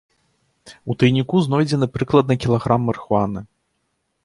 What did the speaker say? У тайніку знойдзены прыкладна кілаграм марыхуаны.